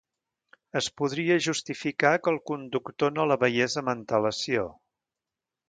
Es podria justificar que el conductor no la veiés amb antelació.